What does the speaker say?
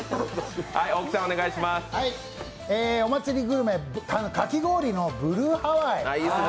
大木お祭りグルメ、かき氷のブルーハワイ。